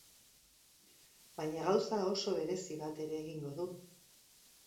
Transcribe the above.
Baina gauza oso berezi bat ere egingo du.